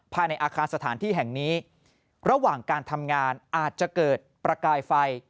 ภายในอาคารสถานที่แห่งนี้ระหว่างการทำงานอาจจะเกิดประกายไฟ